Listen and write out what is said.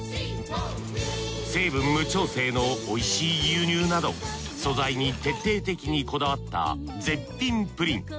成分無調整のおいしい牛乳など素材に徹底的にこだわった絶品プリン。